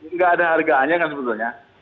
nggak ada hargaannya kan sebetulnya